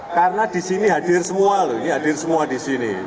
karena di sini hadir semua loh ini hadir semua di sini